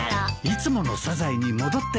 いつものサザエに戻ってるね。